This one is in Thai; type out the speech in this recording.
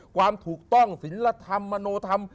ความถูกต้องศิลธรรมมโนธรรม